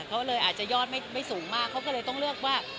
เขาเลยอาจจะยอดไม่สูงมากเขาก็เลยต้องเลือกว่า